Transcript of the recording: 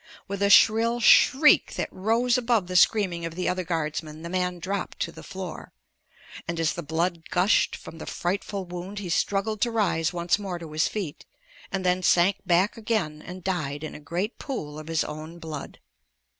With a shrill shriek that rose above the screaming of the other guardsmen the man dropped to the floor, and as the blood gushed from the frightful wound he struggled to rise once more to his feet and then sank back again and died in a great pool of his own blood.